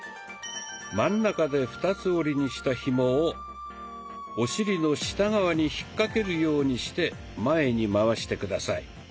真ん中で二つ折りにしたひもをお尻の下側に引っ掛けるようにして前にまわして下さい。